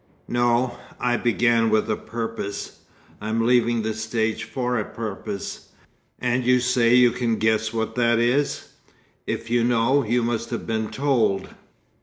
"No. I began with a purpose. I'm leaving the stage for a purpose. And you say you can guess what that is. If you know, you must have been told."